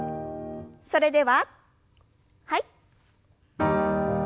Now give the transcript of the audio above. それでははい。